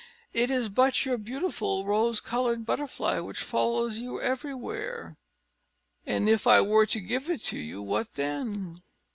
"It is but your beautiful rose coloured butterfly, which follows you everywhere." "And if I were to give it to you, what then?"